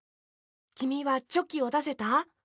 きみはチョキをだせた？